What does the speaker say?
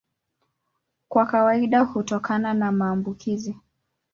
Kwa kawaida hutokana na maambukizi.